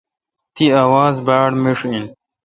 تی اواز باڑمیݭ این۔